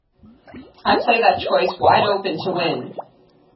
I play that choice wide open to win.